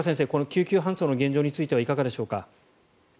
救急搬送の現状についてはいかがでしょうか？